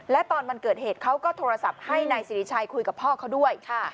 และตอนวันเกิดเหตุเขาก็โทรศัพท์ให้นายสิริชัยคุยกับพ่อเขาด้วย